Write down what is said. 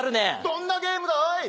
どんなゲームだい？